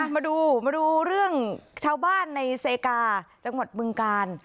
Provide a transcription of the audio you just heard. มาดูเรื่องชาวบ้านในเศรษฐกาจังหวัดมึงกาล